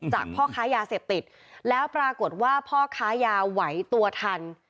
พ่อค้ายาเสพติดแล้วปรากฏว่าพ่อค้ายาไหวตัวทัน